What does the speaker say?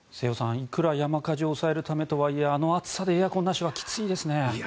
いくら山火事を抑えるためとはいえあの暑さでエアコンなしはきついですね。